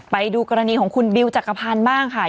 ไปดูกรณีของคุณบิวจักรพันธ์บ้างค่ะ